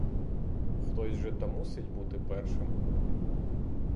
Хтось же та мусить бути першим.